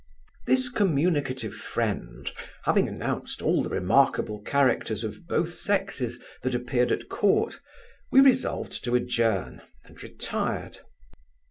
This communicative friend having announced all the remarkable characters of both sexes, that appeared at court, we resolved to adjourn, and retired.